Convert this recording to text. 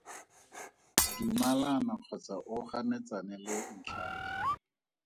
Dumalana kgotsa o ganetsane le ntlha e.